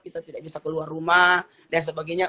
kita tidak bisa keluar rumah dan sebagainya